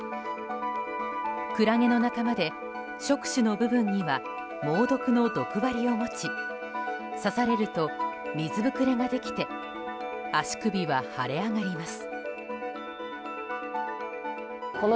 クラゲの仲間で、触手の部分には猛毒の毒針を持ち刺されると、水膨れができて足首は腫れ上がります。